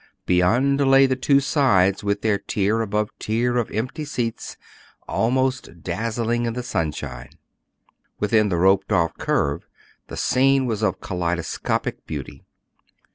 Beyond lay the two sides with their tier above tier of empty seats, almost dazzling in the sunshine. Within the roped off curve the scene was of kaleidoscopic beauty.